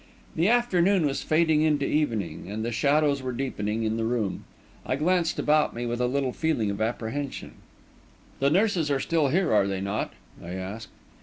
The afternoon was fading into evening, and the shadows were deepening in the room. I glanced about me with a little feeling of apprehension. "The nurses are still here, are they not?" I asked.